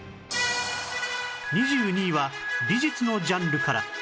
２２位は美術のジャンルから